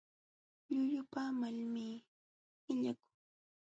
Llullapaamalmi illakun.